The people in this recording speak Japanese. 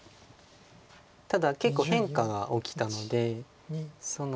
ただ結構変化が起きたので。